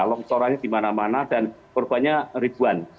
longsorannya di mana mana dan korbannya ribuan